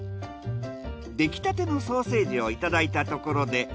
できたてのソーセージをいただいたところで。